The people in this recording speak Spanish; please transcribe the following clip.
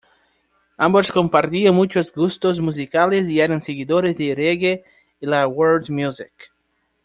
Ambos compartían muchos gustos musicales y eran seguidores del "reggae" y la "world music".